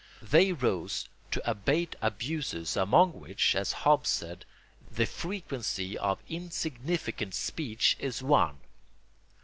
They rose to abate abuses among which, as Hobbes said, "the frequency of insignificant speech is one."